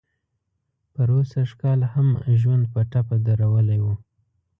پروسږ کال هم ژوند په ټپه درولی و.